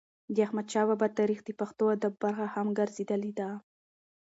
د احمدشا بابا تاریخ د پښتو ادب برخه هم ګرځېدلې ده.